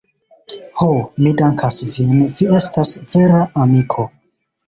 Ho, mi dankas vin, vi estas vera amiko.